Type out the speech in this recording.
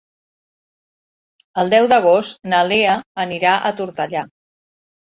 El deu d'agost na Lea anirà a Tortellà.